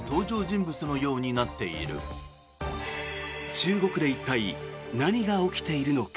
中国で一体、何が起きているのか。